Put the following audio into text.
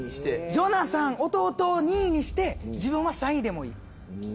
ジョナサン弟を２位にして自分は３位でもいい。